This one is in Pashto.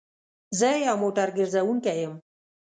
زه يو موټر ګرځونکی يم